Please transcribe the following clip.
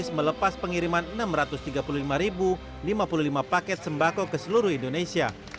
sebagai anak saudara yang bertugas